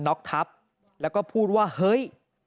็อกทับแล้วก็พูดว่าเฮ้ย